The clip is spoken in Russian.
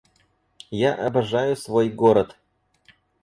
Я обожаю свой город